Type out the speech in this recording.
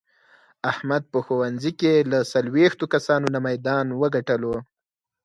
احمد په ښوونځې کې له څلوېښتو کسانو نه میدان و ګټلو.